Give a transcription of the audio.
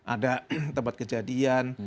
ada tempat kejadian